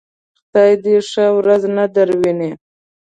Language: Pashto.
خدای دې ښه ورځ نه درويني.